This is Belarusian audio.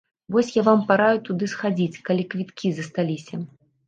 Вось я вам параю туды схадзіць, калі квіткі засталіся.